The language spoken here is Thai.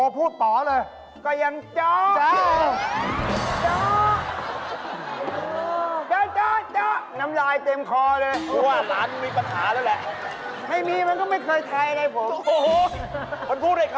ผ่วนบ้าอะไรเอาแมวตีปาก